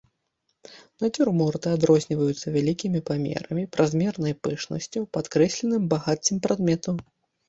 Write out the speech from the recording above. Нацюрморты адрозніваюцца вялікімі памерамі, празмернай пышнасцю, падкрэсленым багаццем прадметаў.